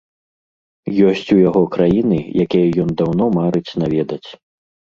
Ёсць у яго краіны, якія ён даўно марыць наведаць.